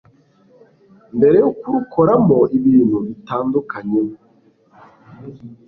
mbere yo kurukoramo ibintu bitandukanye,